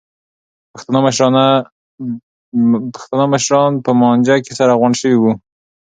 پښتانه مشران په مانجه کې سره غونډ شوي وو.